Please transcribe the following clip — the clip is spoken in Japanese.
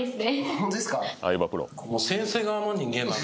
ホントですか。